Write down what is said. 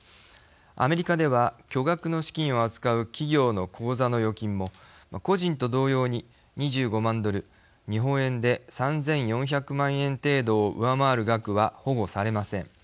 アメリカでは巨額の資金を扱う企業の口座の預金も個人と同様に２５万ドル日本円で３，４００万円程度を上回る額は保護されません。